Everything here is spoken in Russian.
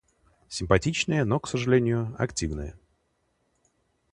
Симпатичная, но к сожалению, активная.